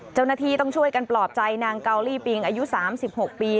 เจ้าหน้าที่ต้องช่วยกันปลอบใจนางเกาลี่ปิงอายุ๓๖ปี